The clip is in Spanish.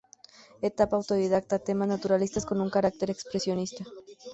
Etapa autodidacta, temas naturalistas con un carácter expresionista.